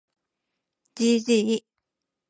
gg